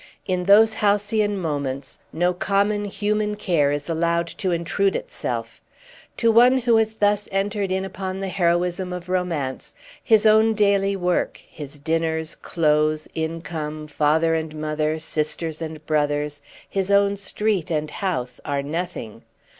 In those halcyon moments no common human care is allowed to intrude itself. To one who has thus entered in upon the heroism of romance his own daily work, his dinners, clothes, income, father and mother, sisters and brothers, his own street and house are nothing.